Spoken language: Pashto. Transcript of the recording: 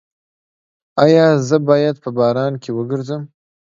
ایا زه باید په باران کې وګرځم؟